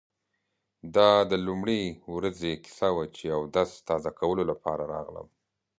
دا د لومړۍ ورځې کیسه وه چې اودس تازه کولو لپاره راغلم.